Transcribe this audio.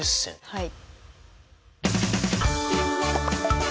はい。